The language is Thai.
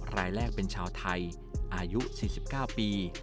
รายแรกเป็นชาวไทยอายุ๔๙ปี